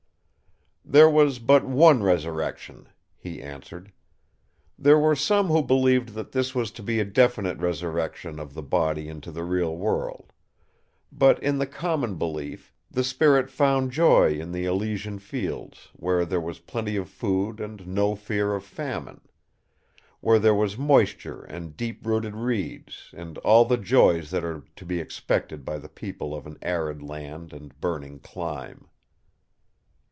"There was but one resurrection," he answered. "There were some who believed that this was to be a definite resurrection of the body into the real world. But in the common belief, the Spirit found joy in the Elysian Fields, where there was plenty of food and no fear of famine. Where there was moisture and deep rooted reeds, and all the joys that are to be expected by the people of an arid land and burning clime."